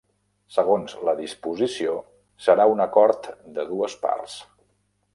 Segons la disposició, serà un acord de dues parts.